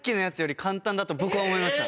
だと僕は思いました。